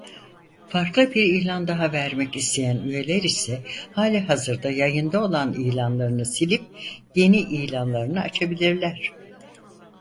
Farklı bir ilan daha vermek isteyen üyeler ise halihazırda yayında olan ilanlarını silip yeni ilanlarını açabilirler.